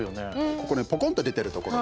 ここにポコンと出てるところ。